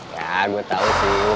ya gue tahu sih